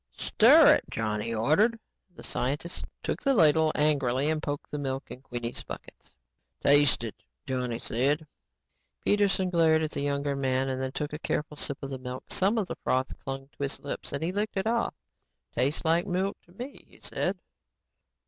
"Stir it," Johnny ordered. The scientist took the ladle angrily and poked at the milk in Queenie's buckets. "Taste it," Johnny said. Peterson glared at the younger man and then took a careful sip of the milk. Some of the froth clung to his lips and he licked it off. "Taste like milk to me," he said.